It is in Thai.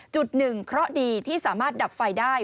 จุดหนึ่งเคราะห์ดีที่สามารถดับไฟได้